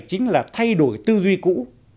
chính là thay đổi tư duy cũ